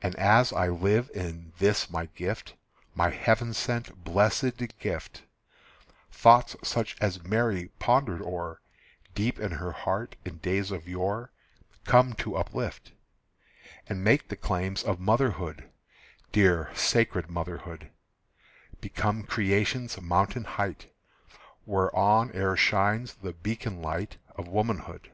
And as I live in this my gift, My heaven sent, blessed gift, Thoughts such as Mary pondered o'er Deep in her heart in days of yore Come to uplift, And make the claims of motherhood, Dear sacred motherhood, Become creation's mountain height, Whereon e'er shines the beacon light Of womanhood.